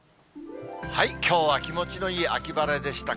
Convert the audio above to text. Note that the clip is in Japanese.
きょうは気持ちのいい秋晴れでした。